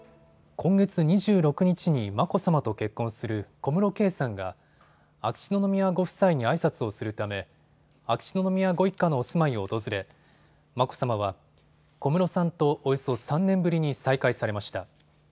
今月２６日に眞子さまと結婚する小室圭さんが秋篠宮ご夫妻にあいさつをするため秋篠宮ご一家のお住まいを訪れ眞子さまは小室さんとおよそ３年ぶりに再会されました。